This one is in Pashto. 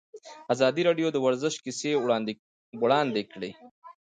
ازادي راډیو د ورزش کیسې وړاندې کړي.